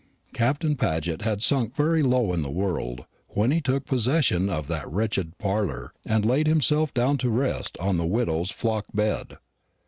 Captain Paget had sunk very low in the world when he took possession of that wretched parlour and laid himself down to rest on the widow's flock bed.